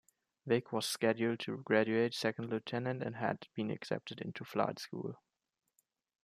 Vic was scheduled to graduate second lieutenant and had been accepted to flight school.